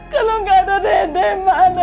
kalau nggak ada dede mana